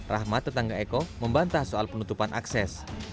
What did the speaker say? rahmat tetangga eko membantah soal penutupan akses